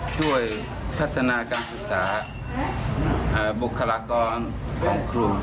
ช่วยพัฒนาการศึกษาบุคลากรของครู